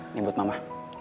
ini buat mama